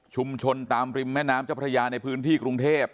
ตามริมแม่น้ำเจ้าพระยาในพื้นที่กรุงเทพ